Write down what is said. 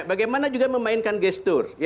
bagaimana juga memainkan gestur